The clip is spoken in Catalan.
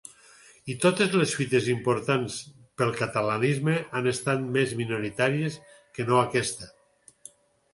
I totes les fites importants pel catalanisme han estat més minoritàries que no aquesta.